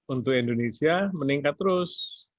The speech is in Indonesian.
untuk indonesia meningkat terus